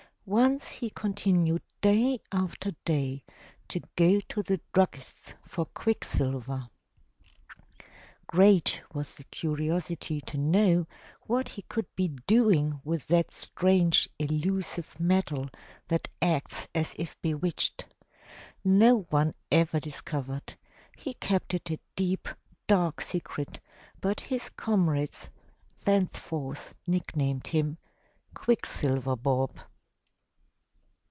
Once he con tinued day after day to go to the druggist's for quicksilver. Great 399 M Y BOOK HOUSE was the curiosity to know what he could be doing with that strange elusive metal that acts as if bewitched. No one ever dis covered; he kept it a deep, dark secret, but his comrades thence forth nicknamed him "Quicksilver Bob."